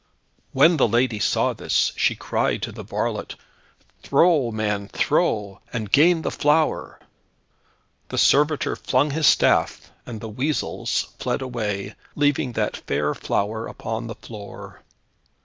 When the lady saw this, she cried to the varlet, "Throw, man, throw, and gain the flower." The servitor flung his staff, and the weasels fled away, leaving that fair flower upon the floor.